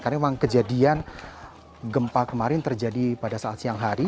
karena memang kejadian gempa kemarin terjadi pada saat siang hari